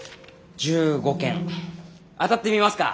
１５件当たってみますか？